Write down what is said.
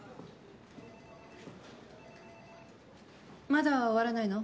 まだ終わらないの？